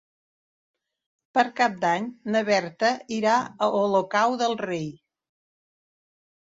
Per Cap d'Any na Berta irà a Olocau del Rei.